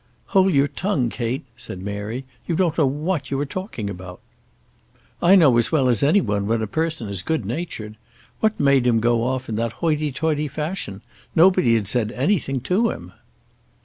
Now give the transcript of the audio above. "Hold your tongue, Kate," said Mary. "You don't know what you are talking about." "I know as well as any one when a person is good natured. What made him go off in that hoity toity fashion? Nobody had said anything to him."